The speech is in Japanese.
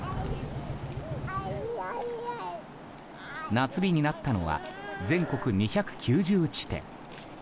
夏日になったのは全国２９０地点。